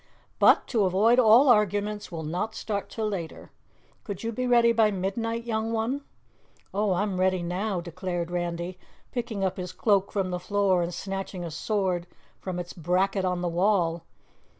"But to avoid all arguments we'll not start till later. Could you be ready by midnight, young one?" "Oh, I'm ready now," declared Randy, picking up his cloak from the floor and snatching a sword from its bracket on the wall.